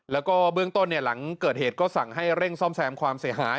แล้วก็เบื้องต้นหลังเกิดเหตุก็สั่งให้เร่งซ่อมแซมความเสียหาย